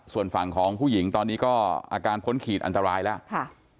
ส่วนฝั่งของผู้หญิงตอนนี้ก็อาการพ้นขีดอันตรายแล้ว